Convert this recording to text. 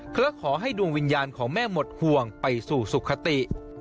เพราะขอให้ดวงวิญญาณของแม่หมดห่วงไปสู่สุขติ